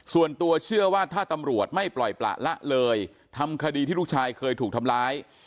ส่วนตัวเชื่อว่าถ้าตำรวจไม่ปล่อยประละเลยทำคดีที่ลูกชายเคยถูกทำร้าย